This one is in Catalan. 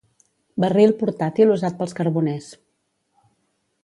Barril portàtil usat pels carboners.